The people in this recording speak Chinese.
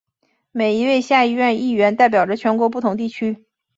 每一位下议院议员代表着全国不同选区。